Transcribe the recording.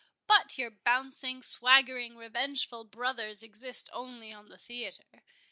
But your bouncing, swaggering, revengeful brothers exist only on the theatre.